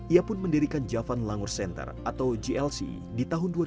ia pun mendirikan javan langur center atau glc di tahun dua ribu dua